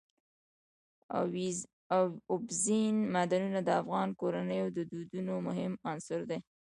اوبزین معدنونه د افغان کورنیو د دودونو مهم عنصر دی.